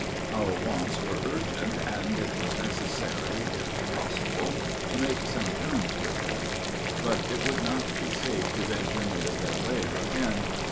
Our wants were urgent, and it was necessary, if possible, to make some terms with them; but it would not be safe to venture near their lair again.